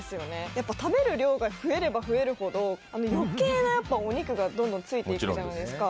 やっぱ食べる量が増えれば増えるほど、よけいなやっぱお肉がどんどんついていくじゃないですか。